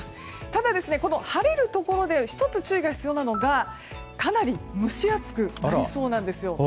ただ、この晴れるところで１つ注意が必要なのがかなり蒸し暑くなりそうなんですよ。